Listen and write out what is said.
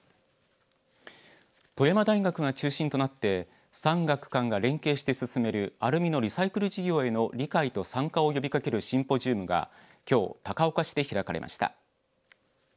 富山大学が中心となって産学官が連携して進めるアルミのリサイクル事業への理解と参加を呼びかけるシンポジウムがきょう高岡市で開かれました。